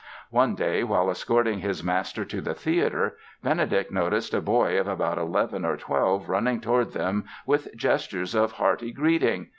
One day while escorting his master to the theatre, Benedict noticed a boy of about eleven or twelve running toward them with gestures of hearty greeting.